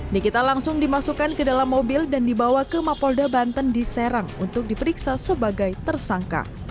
nikita langsung dimasukkan ke dalam mobil dan dibawa ke mapolda banten di serang untuk diperiksa sebagai tersangka